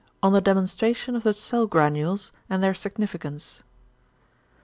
ON THE DEMONSTRATION OF THE CELL GRANULES, AND THEIR SIGNIFICANCE.